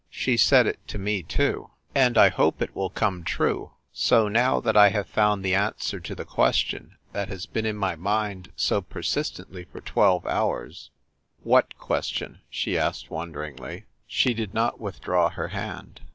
"She said it to me, too. And I hope it will come true. So, now that I have found the answer to the question that has been in my mind so persist ently for twelve hours " "What question?" she asked wonderingly. She did not withdraw her hand.